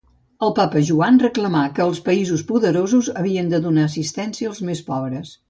El Papa Joan reclamà que els països poderosos havien de donar assistència als més pobres.